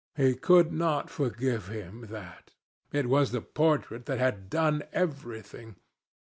He could not forgive him that. It was the portrait that had done everything.